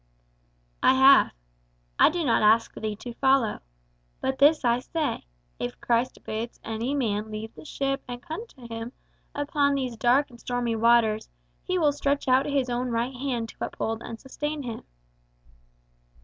"I have. I do not ask thee to follow. But this I say: if Christ bids any man leave the ship and come to him upon these dark and stormy waters, he will stretch out his own right hand to uphold and sustain him."